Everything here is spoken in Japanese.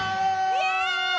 イエイ！